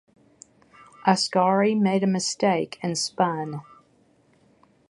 Ascari made a mistake and spun.